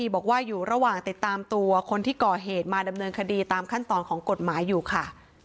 บอกว่าอยู่ระหว่างติดตามตัวคนที่ก่อเหตุมาดำเนินคดีตามขั้นตอนของกฎหมายอยู่ค่ะ